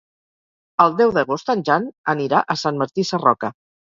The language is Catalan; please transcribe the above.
El deu d'agost en Jan anirà a Sant Martí Sarroca.